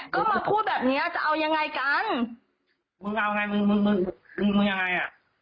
ก็มาพูดแบบเนี้ยจะเอายังไงกันมึงเอาไงมึงมึงมึงมึงยังไงอ่ะ